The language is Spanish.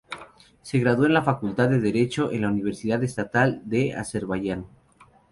Se graduó de la Facultad de Derecho en la Universidad Estatal de Azerbaiyán.